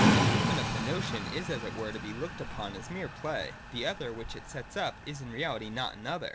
The movement of the notion is as it were to be looked upon merely as play : the other which it sets up is in reality not an other.